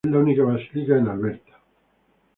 Es la única basílica en Alberta.